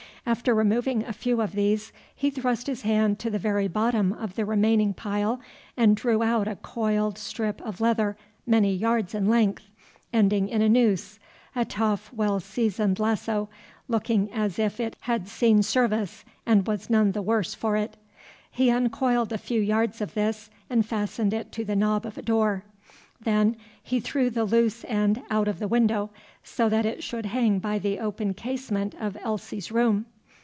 After removing a few of these, he thrust his hand to the very bottom of the remaining pile and drew out a coiled strip of leather many yards in length, ending in a noose, a tough, well seasoned lasso, looking as if it had seen service and was none the worse for it. He uncoiled a few yards of this and fastened it to the knob of a door. Then he threw the loose end out of the window so that it should hang by the open casement of Elsie's room.